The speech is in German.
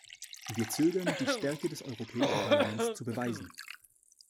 Wir zögern, die Stärke des Europäischen Parlaments zu beweisen.